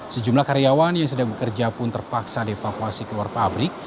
sejumlah karyawan yang sedang bekerja pun terpaksa dievakuasi keluar pabrik